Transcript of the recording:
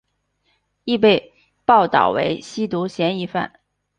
亦被报导为吸毒嫌疑犯。